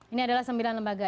ini adalah sembilan lembaga